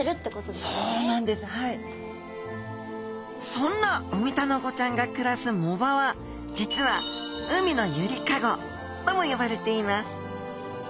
そんなウミタナゴちゃんが暮らす藻場は実は海のゆりかごとも呼ばれています。